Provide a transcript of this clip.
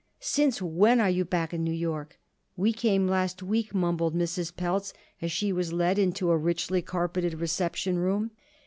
Since when are you back in New York?" "We came last week," mumbled Mrs. Pelz as she was led into a richly carpeted reception room.